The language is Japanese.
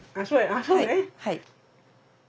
あそうね！